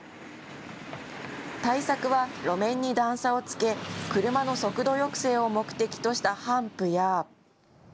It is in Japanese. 対策は路面に段差をつけ、車の速度抑制を目的としたハンプや。